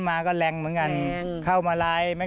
ไม่อยากให้มองแบบนั้นจบดราม่าสักทีได้ไหม